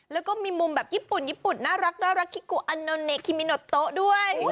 แล้วก็มีมุมแบบญี่ปุ่นญี่ปุ่นน่ารักคิกุอันโนเนคิมิโนโต๊ะด้วย